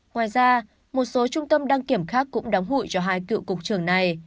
ngoài ra một số trung tâm đăng kiểm khác cũng đóng hụi cho hai cựu cục trưởng này